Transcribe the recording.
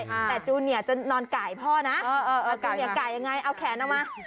แต่จูเนียจะนอนไก่พ่อนะเออเออเออไก่ไงเอาแขนเอามา